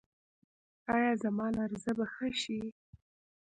ایا زما لرزه به ښه شي؟